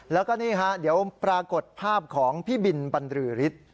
แล้วก็นี่เดี๋ยวปรากฏภาพของพี่บิลบันรือริฐ